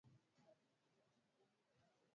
Watu wengine hawataenda mbinguni